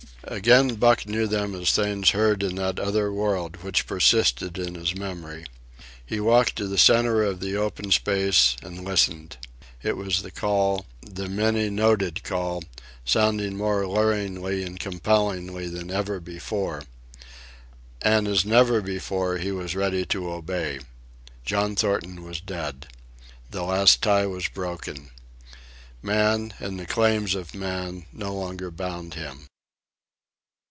Again Buck knew them as things heard in that other world which persisted in his memory. He walked to the centre of the open space and listened. It was the call, the many noted call, sounding more luringly and compellingly than ever before. And as never before, he was ready to obey. John Thornton was dead. The last tie was broken. Man and the claims of man no longer bound him.